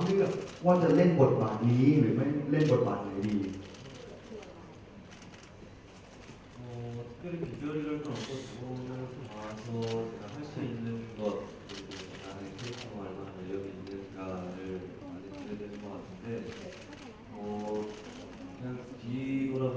และคุณฉั้นพิเศษเกิดนี้จะเข้าจากรัฐงานครับ